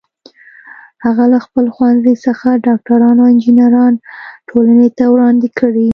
هغه له خپل ښوونځي څخه ډاکټران او انجینران ټولنې ته وړاندې کړي